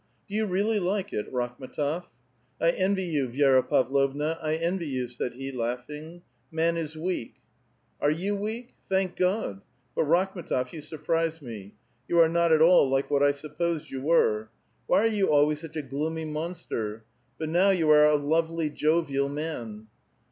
'' Do you really like it, Rakhmetof?" '' I envy you, Vi^ra Pavlovna, I envy you," said he, laugh ing ;" man is weak." '* Are you weak? Thank God ! But, Rakhmetof, you sur prise me. You are not at all like what I supiK)sed you were. Why are you always such a gloomy monster? But now you are a lovely, jovial man."